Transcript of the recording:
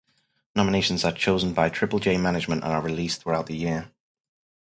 Nominations are chosen by triple j management and are released throughout the year.